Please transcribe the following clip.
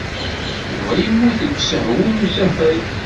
Yuba yemmut deg usehwu n usafag.